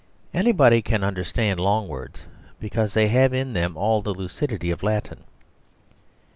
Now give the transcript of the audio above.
Anybody can understand long words because they have in them all the lucidity of Latin.